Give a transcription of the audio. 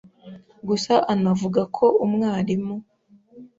gusa anavuga ko umwarimu